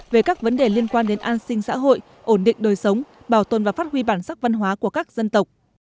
về các vấn đề liên quan đến an sinh xã hội ổn định đời sống bảo tồn và phát huy bản sắc văn hóa của các dân tộc